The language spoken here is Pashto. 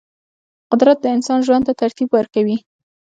قدرت د انسان ژوند ته ترتیب ورکوي.